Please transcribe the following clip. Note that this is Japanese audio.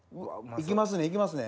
行きますね？